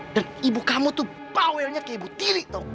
dan ibu kamu tuh bawelnya kayak ibu tiri tau